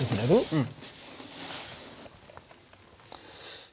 うん？